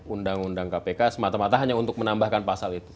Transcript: undang undang kpk semata mata hanya untuk menambahkan pasal itu